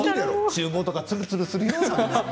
ちゅう房とかつるつるするよ。